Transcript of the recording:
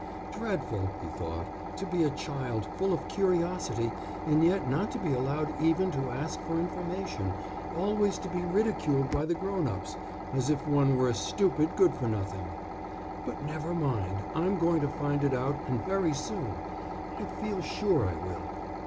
"Dreadful," he thought, "to be a child, full of curiosity, and yet not to be allowed even to ask for information, always to be ridiculed by the grown ups, as if one were a stupid good for nothing. But never mind, I'm going to find it out, and very soon, I feel sure I will.